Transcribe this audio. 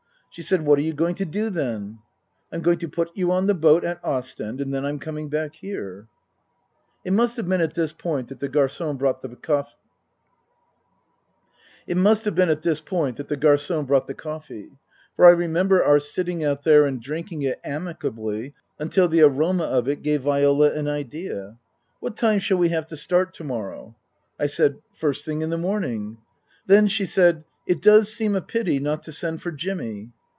She said, " What are you going to do, then ?" "I'm going to put you on the boat at Ostend, and then I'm coming back here." It must have been at this point that the garfon brought the coffee. For I remember our sitting out there and drinking it amicably until the aroma of it gave Viola an idea. " What time shall we have to start to morrow ?" I said, " First thing in the morning." ' Then," she said, " it does seem a pity not to send for Jimmy."